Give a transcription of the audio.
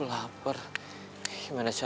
siapa tadi mimpimu